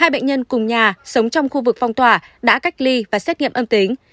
hai bệnh nhân cùng nhà sống trong khu vực phong tỏa đã cách ly và xét nghiệm âm tính